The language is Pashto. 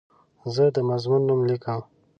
زه د مضمون نوم لیکم.